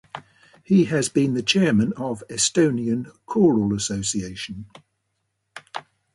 He has been the chairman of Estonian Choral Association.